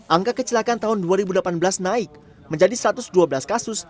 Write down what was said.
angka kecelakaan tahun dua ribu delapan belas naik menjadi satu ratus dua belas kasus